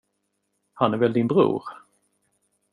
Han är väl din bror?